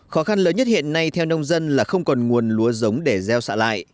khó khăn lớn nhất hiện nay theo nông dân là không còn nguồn lúa giống để gieo xạ lại